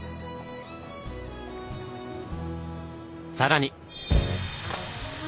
更に。